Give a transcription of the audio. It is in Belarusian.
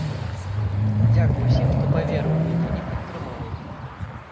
Дзякуй усім, хто паверыў у мяне і падтрымаў!